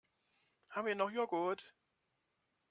Haben wir noch Joghurt?